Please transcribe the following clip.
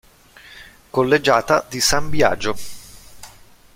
Collegiata di San Biagio